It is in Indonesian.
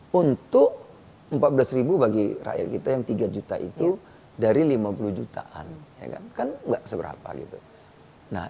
hai untuk empat belas bagi rakyat kita yang tiga juta itu dari lima puluh jutaan kan enggak seberapa gitu nah